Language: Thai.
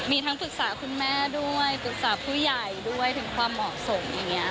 มีทั้งปรึกษาคุณแม่ด้วยปรึกษาผู้ใหญ่ด้วยถึงความเหมาะสมอย่างนี้